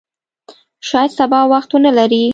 شاید سبا وخت ونه لرې !